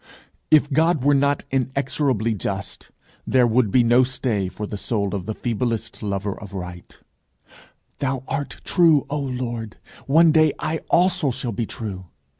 If God were not inexorably just, there would be no stay for the soul of the feeblest lover of right: 'thou art true, O Lord: one day I also shall be true!'